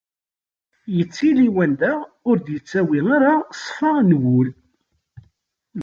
Yettili wanda ur d-yettawi ara ṣṣfa n wul.